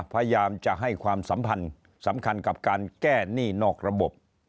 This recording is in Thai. พยายามจะให้ความสัมพันธ์สำคัญกับการแก้หนี้นอกระบบ